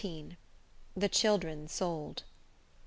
XIX. The Children Sold.